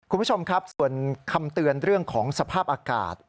คุณผู้ชมครับส่วนคำเตือนเรื่องของสภาพอากาศ